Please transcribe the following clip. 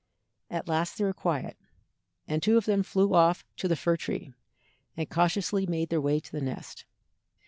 At last they were quiet, and two of them flew off to the fir tree, and cautiously made their way to the nest.